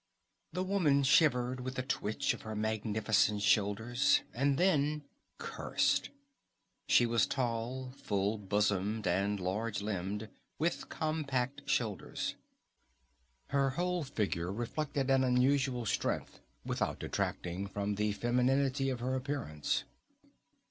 The woman shivered with a twitch of her magnificent shoulders, and then cursed. She was tall, full bosomed and large limbed, with compact shoulders. Her whole figure reflected an unusual strength, without detracting from the femininity of her appearance.